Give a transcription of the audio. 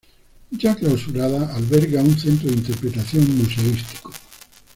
Ya clausurada, alberga un centro de interpretación museístico.